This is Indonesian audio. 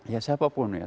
ya siapapun ya